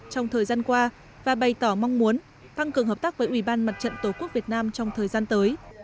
trong thời gian qua và bày tỏ mong muốn tăng cường hợp tác với ủy ban mặt trận tổ quốc việt nam trong thời gian tới